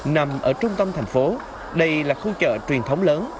nằm ở trung tâm thành phố đây là khu chợ truyền thống lớn